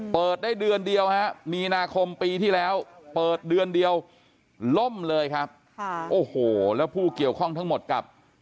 เปิดได้เดือนเดียวฮะมีนาคมปีที่แล้วเปิดเดือนเดียวล่มเลยครับโอ้โหแล้วผู้เกี่ยวข้องทั้งหมดกับ